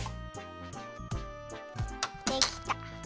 できた！